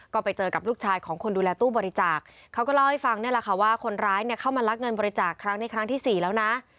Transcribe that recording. ก็ไปเจอกับลูกชายของคนดูแลตู้บริจาคเขาก็เล่าให้ฟังนี่แหละค่ะว่าคนร้ายเนี่ยเข้ามาลักเงินบริจาคครั้งนี้ครั้งที่สี่แล้วนะ